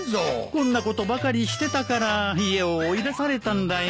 こんなことばかりしてたから家を追い出されたんだよ。